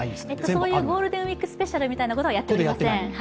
そういうゴールデンウイークスペシャルみたいなことはやっておりません。